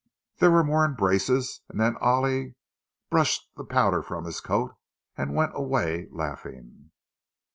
There were more embraces, and then Ollie brushed the powder from his coat, and went away laughing.